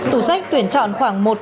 tủ sách tuyển chọn khoảng một trăm linh